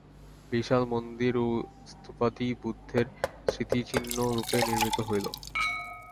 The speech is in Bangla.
বিশাল মন্দির ও স্তূপাদি বুদ্ধের স্মৃতিচিহ্ন-রূপে নির্মিত হল।